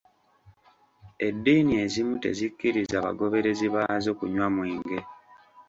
Edddiini ezimu tezikkiriza bagooberezi baazo kunywa mwenge